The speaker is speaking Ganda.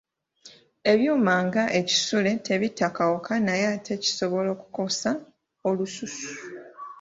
Ebyuma nga ekisule tebitta kawuka naye ate kisobola okukukosa olususu.